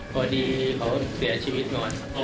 โดยดีขอเสียชีวิตนอน